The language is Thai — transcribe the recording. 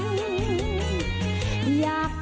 เตรียมพับกรอบ